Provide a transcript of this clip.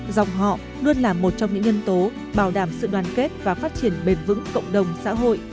dòng họ luôn là một trong những nhân tố bảo đảm sự đoàn kết và phát triển bền vững cộng đồng xã hội